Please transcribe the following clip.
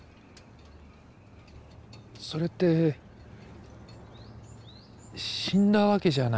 それって死んだわけじゃないですよね。